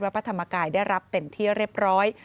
พระธรรมกายได้รับเป็นที่เรียบร้อย